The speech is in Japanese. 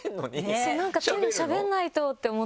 なんかとにかくしゃべらないとって思って。